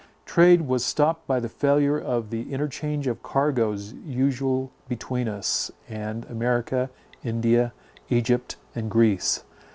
Trade was stopped by the failure of the interchange of cargoes usual between us, and America, India, Egypt and Greece.